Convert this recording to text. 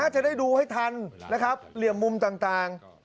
จะได้ดูให้ทันและเลี่ยมมุมต่าง